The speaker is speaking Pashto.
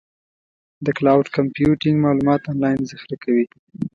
د کلاؤډ کمپیوټینګ معلومات آنلاین ذخیره کوي.